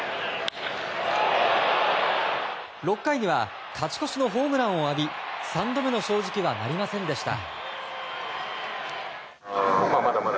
６回には勝ち越しのホームランを浴び三度目の正直はなりませんでした。